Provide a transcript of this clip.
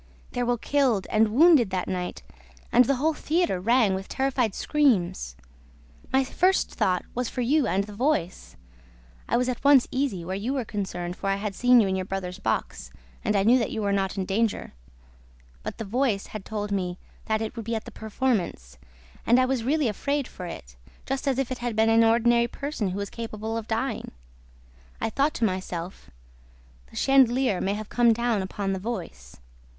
There were killed and wounded that night and the whole theater rang with terrified screams. My first thought was for you and the voice. I was at once easy, where you were concerned, for I had seen you in your brother's box and I knew that you were not in danger. But the voice had told me that it would be at the performance and I was really afraid for it, just as if it had been an ordinary person who was capable of dying. I thought to myself, 'The chandelier may have come down upon the voice.'